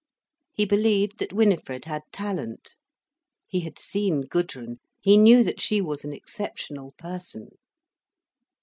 He believed that Winifred had talent, he had seen Gudrun, he knew that she was an exceptional person.